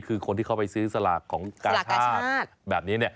คือคนที่เขาไปซื้อสลากของกาชาติแบบนี้